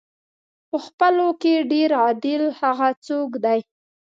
په خپلو کې ډېر عادل هغه څوک دی.